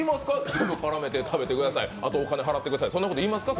全部絡めて食べてください、あと、お金払ってください、そんなこと言いますか？